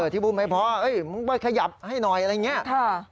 พูดไม่พอมึงไปขยับให้หน่อยอะไรอย่างนี้